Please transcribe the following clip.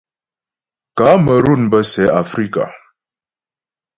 Kamerun bə́ sɛ Afrika.